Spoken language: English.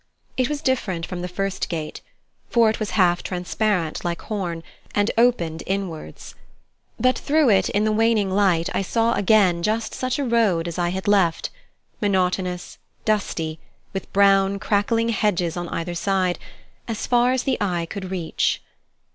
It was different from the first gate; for it was half transparent like horn, and opened inwards. But through it, in the waning light, I saw again just such a road as I had left monotonous, dusty, with brown crackling hedges on either side, as far as the eye could reach.